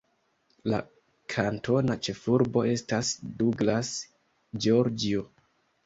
La kantona ĉefurbo estas Douglas, Georgio.